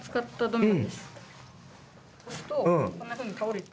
押すとこんなふうに倒れて。